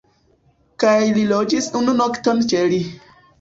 Kaj ni loĝis unu nokton ĉe li